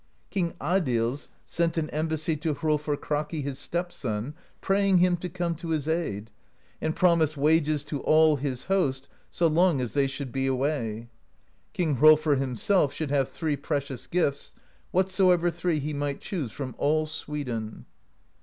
King Adils sent an embassy to Hrolfr Kraki, his stepson, praying him to come to his aid, and promised wages to all his host so long as they should be away; King Hrolfr himself should have three precious gifts, whatsoever three he might choose from all Sweden.